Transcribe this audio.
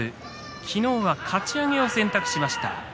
昨日はかち上げを選択しました。